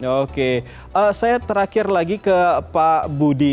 oke saya terakhir lagi ke pak budi